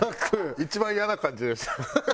一番イヤな感じでした。